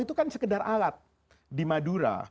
itu kan sekedar alat di madura